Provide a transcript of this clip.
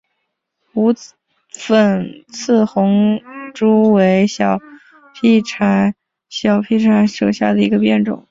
无粉刺红珠为小檗科小檗属下的一个变种。